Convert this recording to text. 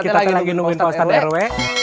kita tadi lagi nungguin pak ustadz rw